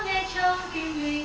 ta đã nghe trong tim mình